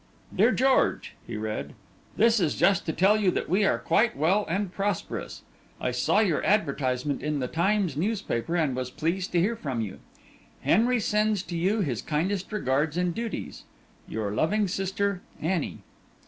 "DEAR GEORGE," he read, "this is just to tell you that we are quite well and prosperous. I saw your advertisement in the Times newspaper and was pleased to hear from you. Henry sends to you his kindest regards and duties. "Your loving sister, "ANNIE."